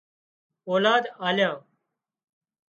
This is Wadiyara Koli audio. اولاد آليان